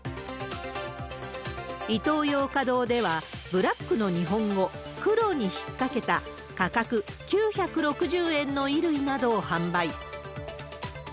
イトーヨーカドーでは、ブラックの日本語、黒に引っ掛けた、価格９６０円の衣類などを販売。